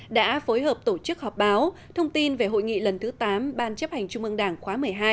đã phối hợp tổ chức họp báo thông tin về hội nghị lần thứ tám ban chấp hành trung ương đảng khóa một mươi hai